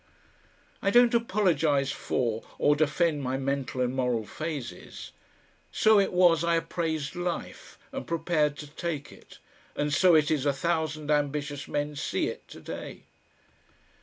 I don't apologise for, or defend my mental and moral phases. So it was I appraised life and prepared to take it, and so it is a thousand ambitious men see it to day....